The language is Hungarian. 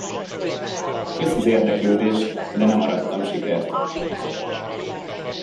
Kösz az érdeklődést, de nem arattam sikert.